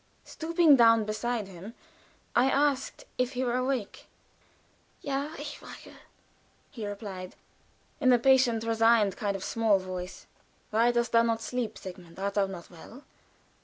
Stooping down beside him, I asked if he were awake. "Ja, ich wache," he replied, in a patient, resigned kind of small voice. "Why dost thou not sleep, Sigmund? Art thou not well?"